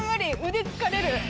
腕疲れる。